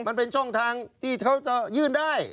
มันเป็นช่องทางที่เขาจะยื่นได้